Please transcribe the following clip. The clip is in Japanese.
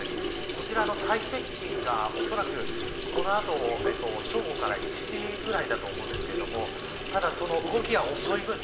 こちら、最接近がおそらくこの後、正午から１時ぐらいだと思うんですけれどもただ動きが遅い分